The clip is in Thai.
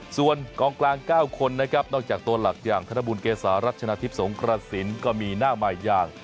ส่วนกองกลาง๙คนนะครับนอกจากตัวหลักอย่างธนบุญเกษารัชชนะทิพย์สงกระสินก็มีหน้าใหม่อย่าง